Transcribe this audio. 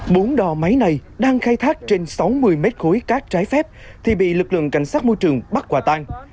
bốn đò máy này đang khai thác trên sáu mươi mét khối cát trái phép thì bị lực lượng cảnh sát môi trường bắt quả tang